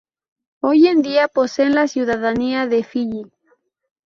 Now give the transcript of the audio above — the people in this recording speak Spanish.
Hoy en día poseen la ciudadanía de Fiyi.